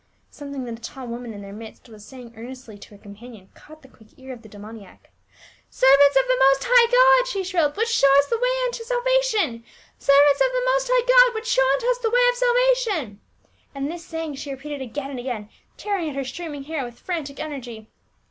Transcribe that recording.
Something that a tall woman in their midst was saying earnestly to her companion caught the quick ear of the demoniac. " Servants of the Most High God !" she shrilled, "which show unto us the way of salvation ! Servants of the most high God — which show unto us the way of salvation !" And this saying sb.e repeated again and again, tearing at her streaming hair with frantic energy.